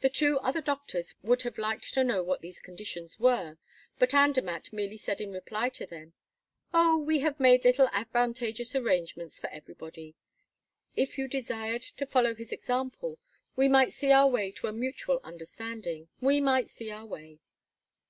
The two other doctors would have liked to know what these conditions were, but Andermatt merely said in reply to them: "Oh! we have made little advantageous arrangements for everybody. If you desired to follow his example, we might see our way to a mutual understanding we might see our way.